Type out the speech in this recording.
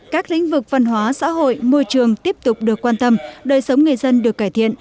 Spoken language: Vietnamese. các lĩnh vực văn hóa xã hội môi trường tiếp tục được quan tâm đời sống người dân được cải thiện